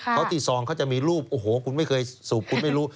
เพราะที่ซองเขาจะมีรูปโอ้โหคุณไม่เคยสูบคุณไม่รู้